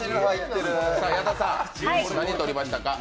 矢田さん、何取りましたか？